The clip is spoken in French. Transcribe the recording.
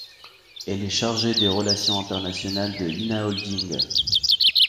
Elle est chargée des relations internationales de Ynna Holding.